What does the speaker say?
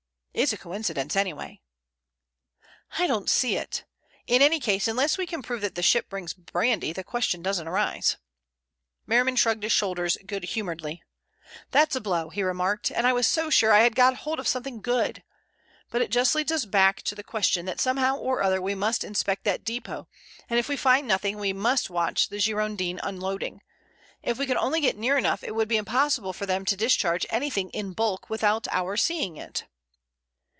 "It's a coincidence anyway." "I don't see it. In any case unless we can prove that the ship brings brandy the question doesn't arise." Merriman shrugged his shoulders good humoredly. "That's a blow," he remarked. "And I was so sure I had got hold of something good! But it just leads us back to the question that somehow or other we must inspect that depot, and if we find nothing we must watch the Girondin unloading. If we can only get near enough it would be impossible for them to discharge anything in bulk without our seeing it."